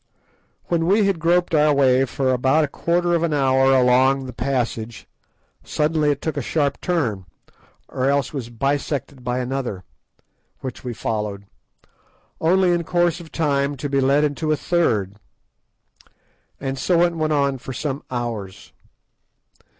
When we had groped our way for about a quarter of an hour along the passage, suddenly it took a sharp turn, or else was bisected by another, which we followed, only in course of time to be led into a third. And so it went on for some hours.